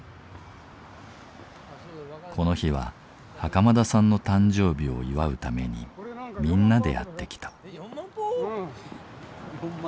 この日は袴田さんの誕生日を祝うためにみんなでやって来た。